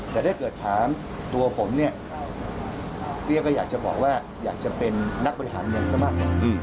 แต่ได้เกิดถามตัวผมเนี่ยพี่ก็อยากจะบอกว่าอยากจะเป็นนักบริหารเมืองสมัคร